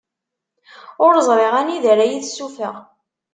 Ur ẓriɣ anida ara yi-tessuffeɣ.